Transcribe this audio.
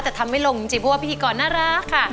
แต่ทำไม่ลงจริงเพราะว่าพิธีกรน่ารักค่ะ